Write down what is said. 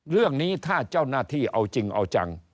เรื่องนี้ถ้าเจ้าหน้าที่เอาจริงเอาจัง